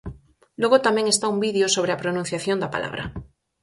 Logo tamén está un vídeo sobre a pronunciación da palabra.